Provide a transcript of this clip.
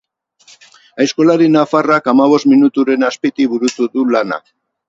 Aizkolari nafarrak hamabost minuturen azpitik burutu du lana.